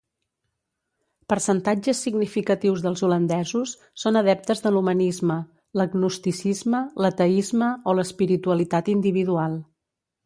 Percentatges significatius dels holandesos són adeptes de l'humanisme, l'agnosticisme, l'ateisme o l'espiritualitat individual.